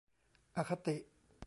อคติ !